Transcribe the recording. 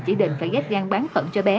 chỉ định phải ghép gan bán phận cho bé